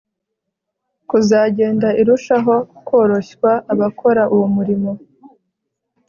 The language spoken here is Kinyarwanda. kuzagenda irushaho koroshywa Abakora uwo murimo